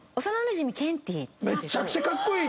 めちゃくちゃかっこいい。